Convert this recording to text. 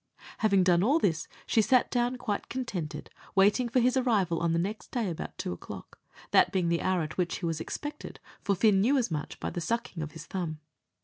Having done all this, she sat down quite contented, waiting for his arrival on the next day about two o'clock, that being the hour at which he was expected for Fin knew as much by the sucking of his thumb.